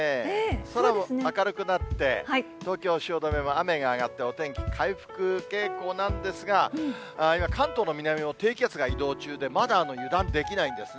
空も明るくなって、東京・汐留は雨が上がって、お天気回復傾向なんですが、今、関東の南を低気圧が移動中で、まだ油断できないんですね。